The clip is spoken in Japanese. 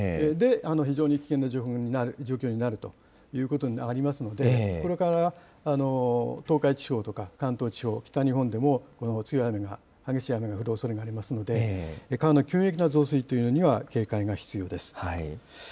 非常に危険な状況になるということになりますので、これから東海地方とか関東地方、北日本でも強い雨が、激しい雨が降るおそれがありますので、川の急激な増水というのには警戒が必要です。